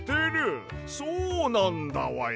そうなんだわや！